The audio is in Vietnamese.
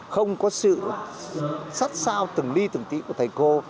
không có sự sát sao từng ly từng tị của thầy cô